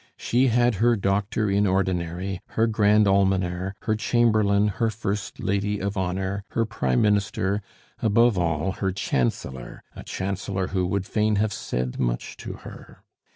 She had her doctor in ordinary, her grand almoner, her chamberlain, her first lady of honor, her prime minister; above all, her chancellor, a chancellor who would fain have said much to her.